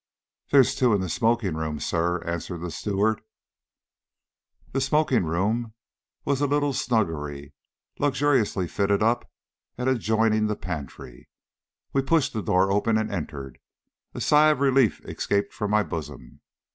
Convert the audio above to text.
"There's two in the smoking room, sir," answered the steward. The smoking room was a little snuggery, luxuriously fitted up, and adjoining the pantry. We pushed the door open and entered. A sigh of relief escaped from my bosom.